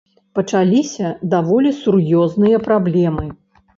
Пачаліся даволі сур'ёзныя праблемы.